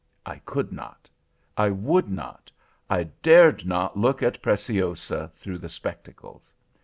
I could not, I would not, I dared not look at Preciosa through the spectacles.